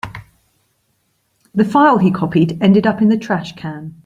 The file he copied ended up in the trash can.